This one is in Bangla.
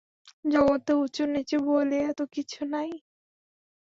জগতে উঁচু-নীচু বলিয়া তো কিছুই নাই।